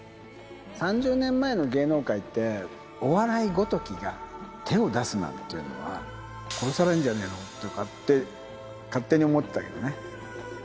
３０年前の芸能界って、お笑いごときが、手を出すなんていうのは、殺されんじゃねえの？と勝手に思ってたけどね。